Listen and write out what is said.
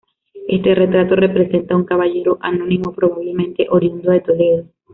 Este retrato representa a un caballero anónimo, probablemente oriundo de Toledo.